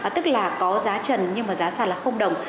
tức là có giá trần nhưng mà giá sàn là không đồng